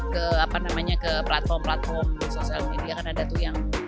ke apa namanya ke platform platform sosial media kan ada tuyang